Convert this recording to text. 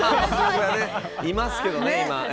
いますけどね今。